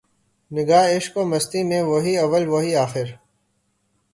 نگاہ عشق و مستی میں وہی اول وہی آخر